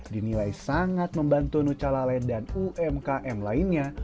dinilai sangat membantu nucalale dan umkm lainnya